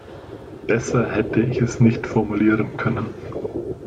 Besser hätte ich es nicht formulieren können.